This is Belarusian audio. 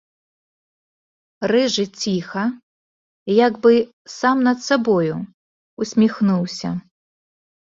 Рыжы ціха, як бы сам над сабою, усміхнуўся.